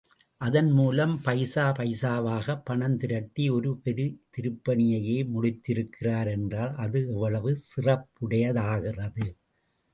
அதன் மூலம் பைசா பைசாவாக பணம் திரட்டி, ஒரு பெரிய திருப்பணியையே முடித்திருக்கிறார் என்றால் அது எவ்வளவு சிறப்புடையதாகிறது.